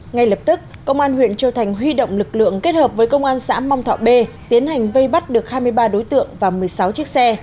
ngay lập tức công an huyện châu thành huy động lực lượng kết hợp với công an xã mong thọ b tiến hành vây bắt được hai mươi ba đối tượng và một mươi sáu chiếc xe